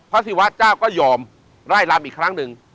พระศิวะเจ้าก็ยอมไล่รัมน์อีกครั้งนึง